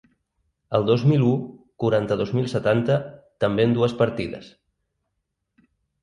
El dos mil u, quaranta-dos mil setanta, també en dues partides.